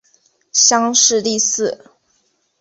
乡试第四。